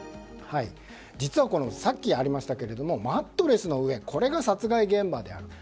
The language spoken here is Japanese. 実はさっきありましたがマットレスの上これが殺害現場であると。